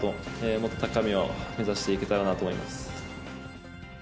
もっと高みを目指していけたらなと思います。